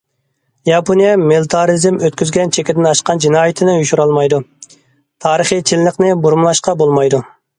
ياپونىيە مىلىتارىزم ئۆتكۈزگەن چېكىدىن ئاشقان جىنايىتىنى يوشۇرالمايدۇ، تارىخىي چىنلىقنى بۇرمىلاشقا بولمايدۇ.